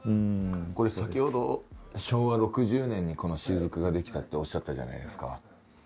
これ先ほど昭和６０年にこの「しずく」が出来たっておっしゃったじゃないですか。